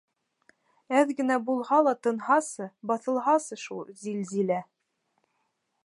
Әҙгә генә булһа ла тынһасы, баҫылһасы шул зилзилә.